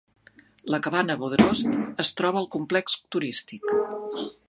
La cabana Bodrost es troba al complex turístic.